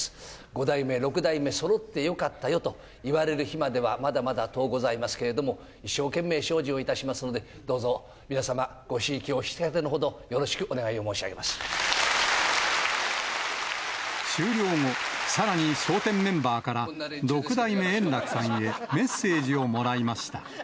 五代目、六代目そろってよかったよと言われる日までは、まだまだとおございますけれども、一生懸命精進をいたしますので、どうぞ皆様、ごひいき、お引き立てのほどを、よろしくお願いを申終了後、さらに笑点メンバーから、六代目円楽さんへメッセージをもらいました。